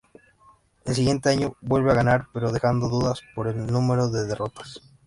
El siguiente año vuelve a ganar pero dejando dudas por el número de derrotas.